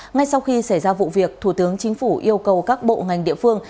ngay sau khi xảy ra vụ việc thủ tướng chính phủ yêu cầu các bộ ngành địa phương